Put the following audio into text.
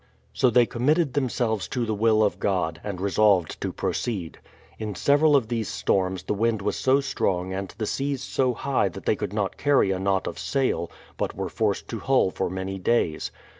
So they committed themselves to the will of God, and resolved to proceed. In several of these storms the wind was so strong and the seas so high that they could not carry a knot of sail, but were forced to hull for many days.